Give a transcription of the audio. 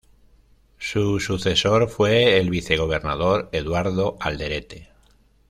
Su sucesor fue el vicegobernador Eduardo Alderete.